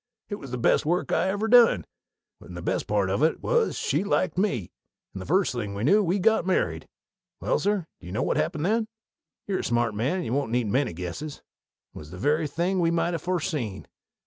"It was the best work I ever done, and the best part of it was she liked me, and the first thing we knew we got married. Well, sir, do you know what happened then? You're a smart man, and you won't need many guesses. It was the very thing we might ha' foreseen.